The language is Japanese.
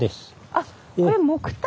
あっこれ木炭。